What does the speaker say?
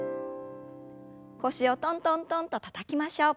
腰をトントントンとたたきましょう。